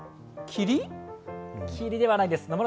霧ではないんです。